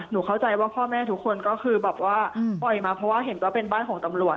เข้าใจว่าพ่อแม่ทุกคนก็คือแบบว่าปล่อยมาเพราะว่าเห็นว่าเป็นบ้านของตำรวจ